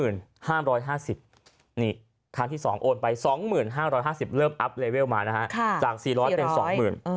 นี่ครั้งที่๒โอนไป๒๕๕๐เริ่มอัพเลเวลมานะฮะจาก๔๐๐เป็น๒๐๐๐บาท